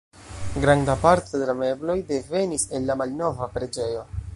Granda parto de la mebloj devenis el la malnova preĝejo.